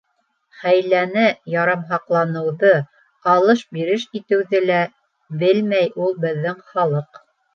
Хәйләне, ярамһаҡланыуҙы, алыш-биреш итеүҙе лә белмәй ул беҙҙең халыҡ.